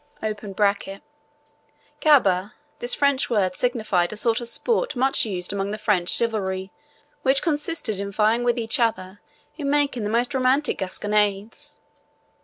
[Gaber. This French word signified a sort of sport much used among the French chivalry, which consisted in vying with each other in making the most romantic gasconades.